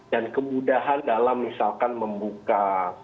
dan kemudahan dalam misalkan membuka